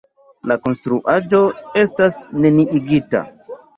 La konstruaĵo estis neniigita.